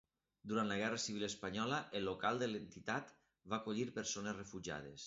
Durant la Guerra Civil espanyola, el local de l'entitat va acollir persones refugiades.